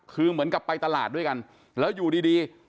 คือเหมือนกับไปตลาดด้วยกันแล้วอยู่ดี